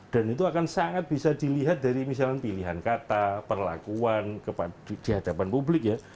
dan itu akan sangat bisa dilihat dari misalnya pilihan kata perlakuan dihadapan publik ya